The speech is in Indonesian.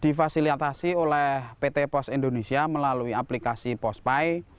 dipersilatasi oleh pt pos indonesia melalui aplikasi pospai